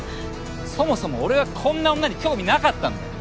そもそも俺はこんな女に興味なかったんだよ。